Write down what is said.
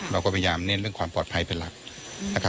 เราก็พยายามเน้นเรื่องความปลอดภัยเป็นหลักนะครับ